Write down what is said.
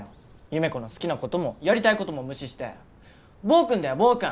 優芽子の好きなこともやりたいことも無視して暴君だよ暴君！